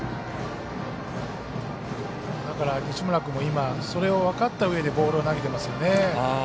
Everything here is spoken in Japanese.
だから西村君も今それを分かったうえでボールを投げてますよね。